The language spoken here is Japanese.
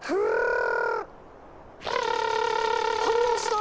反応した！